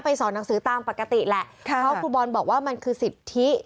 สอนหนังสือตามปกติแหละเพราะครูบอลบอกว่ามันคือสิทธิ